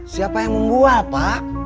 siapa yang membual pak